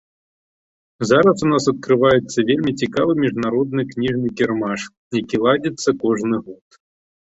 Зараз у нас адкрываецца вельмі цікавы міжнародны кніжны кірмаш, які ладзіцца кожны год.